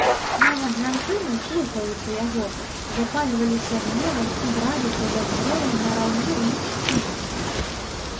Нават жанчыны, слухаючы яго, запальваліся гневам і браліся за зброю нараўне з мужчынамі.